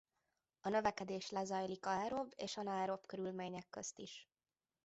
A növekedés lezajlik aerob és anaerob körülmények közt is.